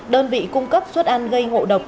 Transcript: đơn vị cung cấp suất ăn gây ngộ độc